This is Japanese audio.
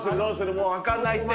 もう分かんないって！